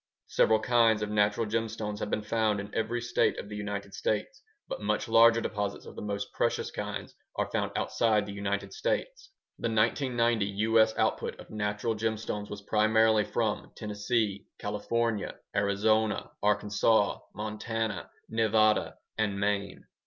Several kinds of natural gemstones have been found in every State of the United States, but much larger deposits of the most precious kinds are found outside the United States. The 1990 U.S. output of natural gemstones was primarily from Tennessee, California, Arizona, Arkansas, Montana, Nevada, and Maine.